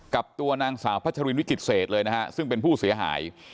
กับตัวนางสาวพัชรินวิกฤตเศษเลยนะฮะซึ่งเป็นผู้เสียหาย